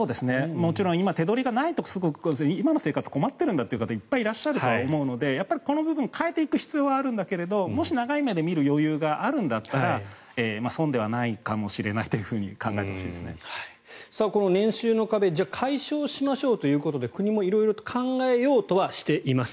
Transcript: もちろん今、手取りがないと今の生活困っているんだという方いっぱいいらっしゃるとは思うのでこの分、変えていく必要はあるんだけれどもし長い目で見る余裕があるなら損ではないかもしれないとこの年収の壁じゃあ解消しましょうということで国も色々と考えようとはしています。